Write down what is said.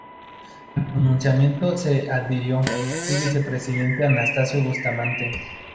Al pronunciamiento se adhirió el vicepresidente Anastasio Bustamante.